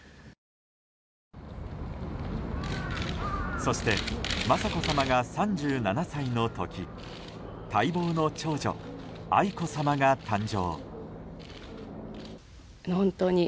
そして、雅子さまが３７歳の時待望の長女・愛子さまが誕生。